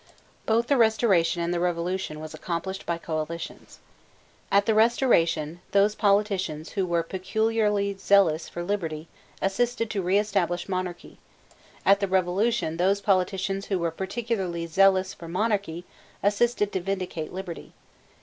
Both the Restoration and the Revolution was accomplished by coalitions. At the Restoration, those politicians who were peculiarly zealous for liberty assisted to reestablish monarchy: at the Revolution those politicians who were peculiarly zealous for monarchy assisted to vindicate liberty.